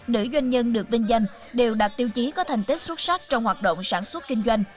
nữ doanh nhân được vinh danh đều đạt tiêu chí có thành tích xuất sắc trong hoạt động sản xuất kinh doanh